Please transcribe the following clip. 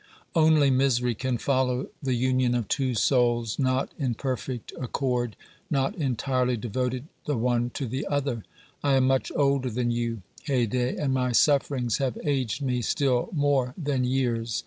Only misery can follow the union of two souls not in perfect accord, not entirely devoted the one to the other. I am much older than you, Haydée, and my sufferings have aged me still more than years.